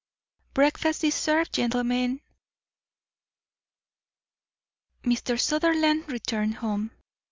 VI "BREAKFAST IS SERVED, GENTLEMEN!" Mr. Sutherland returned home.